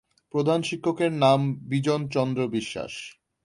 প্রধান শিক্ষকের নাম বিজন চন্দ্র বিশ্বাস।